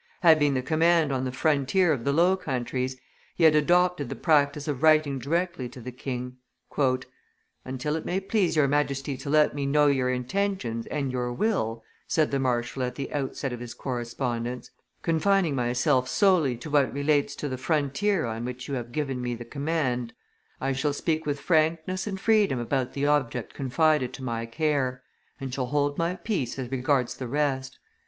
Having the command on the frontier of the Low Countries, he had adopted the practice of writing directly to the king. "Until it may please your Majesty to let me know your intentions and your will," said the marshal at the outset of his correspondence, "confining myself solely to what relates to the frontier on which you have given me the command, I shall speak with frankness and freedom about the object confided to my care, and shall hold my peace as regards the rest.